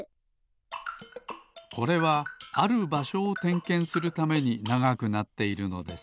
これはあるばしょをてんけんするためにながくなっているのです。